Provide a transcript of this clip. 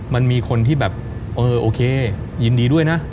มันมีคนที่แบบเออโอเคยินดีด้วยนะ